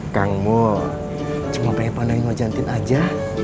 kamu cuma pengen pandang wajahnya aja